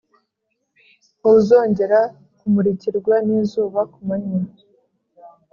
ntuzongera kumurikirwa n’izuba ku manywa,